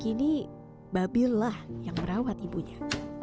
kini babil lah yang merawat ibunya